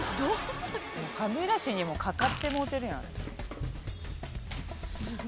歯ブラシにもかかってもうてるやん。